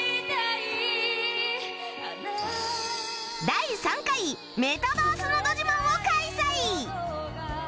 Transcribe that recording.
第３回メタバースのど自慢を開催！